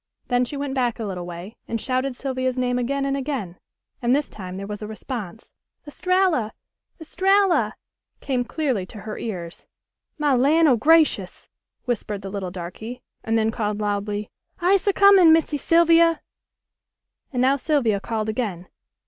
Then she went back a little way and shouted Sylvia's name again and again, and this time there was a response. "Estralla! Estralla!" came clearly to her ears. "My lan' o' grashus!" whispered the little darky, and then called loudly, "I'se a comin', Missy Sylvia." And now Sylvia called again.